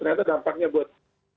ternyata dampaknya buat